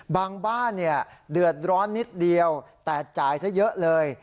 บ้านเดือดร้อนนิดเดียวแต่จ่ายซะเยอะเลย